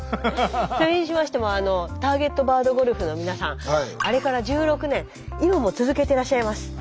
それにしましてもターゲット・バードゴルフの皆さんあれから１６年今も続けてらっしゃいます。